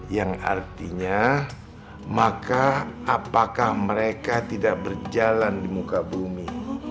yang artinya maka apakah mereka tidak berjalan di muka bumi